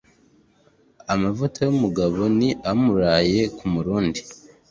Amavuta y’umugabo ni amuraye ku murundi.